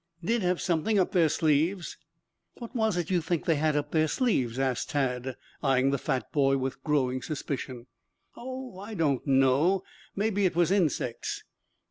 "Did have something up their sleeves." "What was it you think they had up their sleeves?" asked Tad, eyeing the fat boy with growing suspicion. "Oh, I don't know. Maybe it was insects."